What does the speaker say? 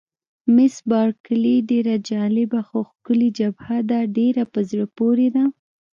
مس بارکلي: ډېره جالبه، خو ښکلې جبهه ده، ډېره په زړه پورې ده.